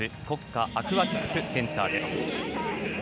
国家アクアティクスセンターです。